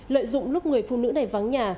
lợi dụng lúc người phụ nữ này vắng nhà